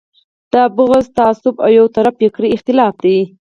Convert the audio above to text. دا بغض، تعصب او یو طرفه فکري اختلاف دی.